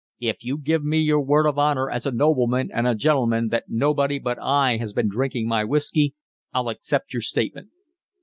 "If you give me your word of honour as a nobleman and a gentleman that nobody but I has been drinking my whiskey, I'll accept your statement."